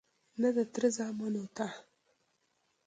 _نه، د تره زامنو ته..